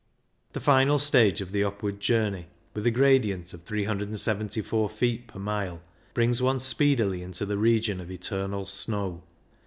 The final stage of die upward journey, with a gradient of 374 feet per mile, brings one speedily into the region of eternal snow.